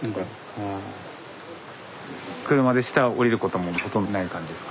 車で下下りることもほとんどない感じですか？